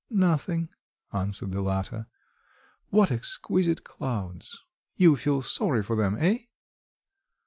"Nothing," answered the latter. "What exquisite clouds!" "You feel sorry for them, eh?"